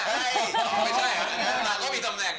ไม่ใช่ตำแหน่งก็มีตำแหน่ง